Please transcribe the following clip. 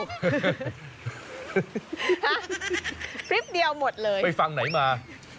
ฟังไหนมาว่ะพลิปเดียวหมดเลยไปฟังไหนมา